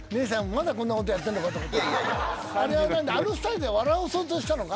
まだこんなことやってんのかと思ってあれは何だ？